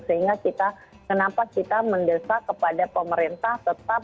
sehingga kita kenapa kita mendesak kepada pemerintah tetap